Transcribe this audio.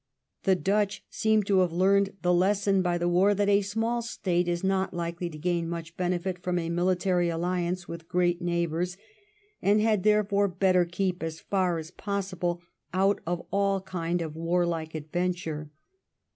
The Dutch seem to have learned the lesson by the war that a small State is not likely to gain much benefit from a military alliance with great neighbours, and had therefore better keep as far as possible out of all kind of warlike adventure.